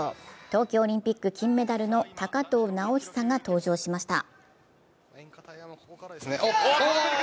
東京オリンピック金メダルの高藤直寿が登場しました。